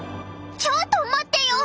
ちょっと待ってよ！